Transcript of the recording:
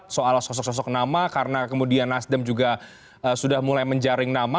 soal sosok sosok nama karena kemudian nasdem juga sudah mulai menjaring nama